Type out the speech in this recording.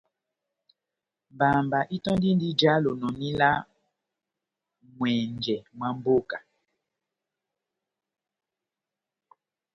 Mbamba itöndindi ijá lonòni lá n'ŋwɛnjɛ mwa mboka.